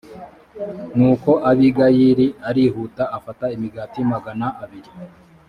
nuko abigayili l arihuta afata imigati magana abiri